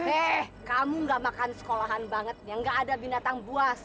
eh kamu gak makan sekolahan banget yang gak ada binatang buas